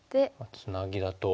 ツナギだと。